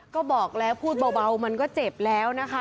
ก็บอกแล้วพูดเบามันก็เจ็บแล้วนะคะ